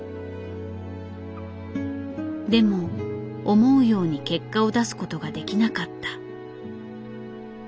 でも思うように結果を出すことができなかった。